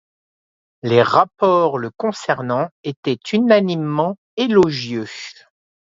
Les rapports le concernant étaient unanimement élogieux.